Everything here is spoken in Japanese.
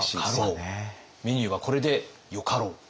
メニューはこれでよかろう！